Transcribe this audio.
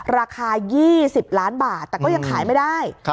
ราคา๒๐ล้านบาทแต่ก็ยังขายไม่ได้